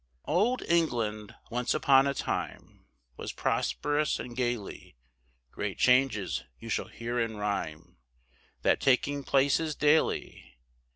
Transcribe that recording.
Old England, once upon a time, Was prosperous and gaily, Great changes you shall hear in rhyme, That taking place is daily.